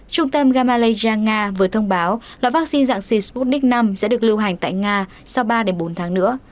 trung tâm gamaleya nga vừa thông báo loại vaccine dạng sysbunic năm sẽ được lưu hành tại nga sau ba bốn tháng nữa